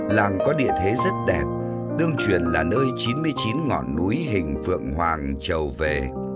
làng có địa thế rất đẹp tương truyền là nơi chín mươi chín ngọn núi hình phượng hoàng trầu về